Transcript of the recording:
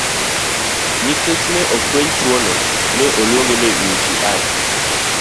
Nikech ne ofweny tuwono ne oluonge ni uti.